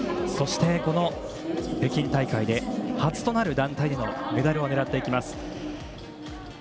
そして、この北京大会で初となる団体でのメダルを狙っていきます。